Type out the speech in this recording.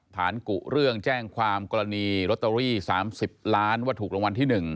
กุเรื่องแจ้งความกรณีลอตเตอรี่๓๐ล้านว่าถูกรางวัลที่๑